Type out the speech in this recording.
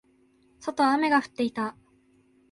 外は雨が降っていた。